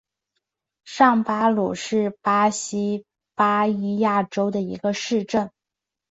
上巴鲁是巴西巴伊亚州的一个市镇。